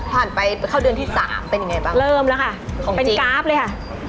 ไปเข้าเดือนที่สามเป็นยังไงบ้างเริ่มแล้วค่ะเป็นกราฟเลยค่ะ